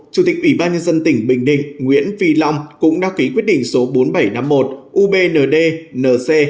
chủ tịch ủy ban nhân dân tỉnh bình định nguyễn phi long cũng đã ký quyết định số bốn nghìn bảy trăm năm mươi một ubnd nc